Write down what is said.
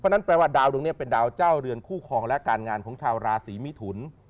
นั่นแปลว่าดาวดวงนี้เป็นดาวเจ้าเรือนคู่ครองและการงานของชาวราศีมิถุน